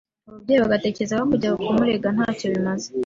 Ababyeyi bagatekereza ko kujya kumurega ntacyo bimaze